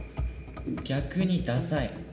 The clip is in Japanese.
逆にダサい。